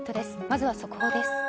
まずは速報です。